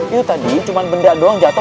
itu tadi cuma benda doang jatuh